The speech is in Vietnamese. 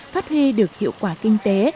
phát huy được hiệu quả kinh tế